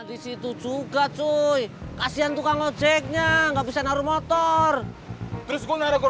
di situ juga cuy kasihan tukang lojeknya nggak bisa naruh motor terus